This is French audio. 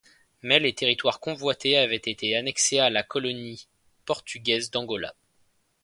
Mais les territoires convoités avaient été annexés à la colonie portugaise d'Angola.